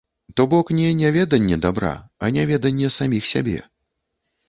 То бок не няведанне дабра, а няведанне саміх сябе.